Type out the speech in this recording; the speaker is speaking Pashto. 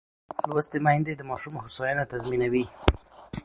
لوستې میندې د ماشوم هوساینه تضمینوي.